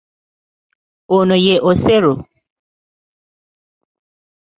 Ono ye Osero.